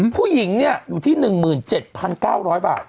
ผู้หญิงอยู่ที่๑๗๙๐๐บาท